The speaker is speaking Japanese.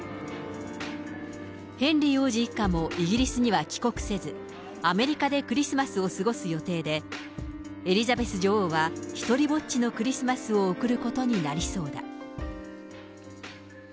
ヘンリー王子一家もイギリスには帰国せず、アメリカでクリスマスを過ごす予定で、エリザベス女王は独りぼっちのクリスマスを送ることになりそうだ。